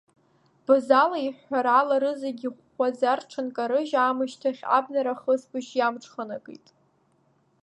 Базала иҳәҳәарала рыззегьы ихәхәаӡа рҽынкарыжь аамышьҭахь абнара ахысбыжь иамҽханакит.